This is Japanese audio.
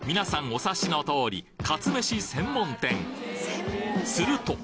お察しの通りかつめし専門店すると！